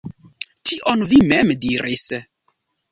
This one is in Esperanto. Tion vi mem diris.